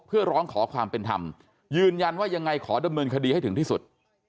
เพื่อร้องขอความเป็นธรรมยืนยันว่ายังไงขอดำเนินคดีให้ถึงที่สุด